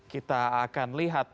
kita akan lihat